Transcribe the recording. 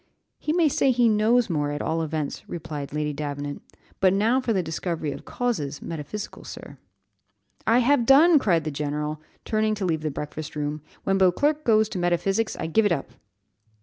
"He may say he knows more, at all events," replied Lady Davenant; "but now for the discovery of causes, metaphysical sir." "I have done," cried the general, turning to leave the breakfast room; "when Beauclerc goes to metaphysics I give it up."